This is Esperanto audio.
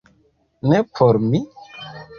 Ne por mi?